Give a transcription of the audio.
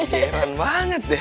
geran banget deh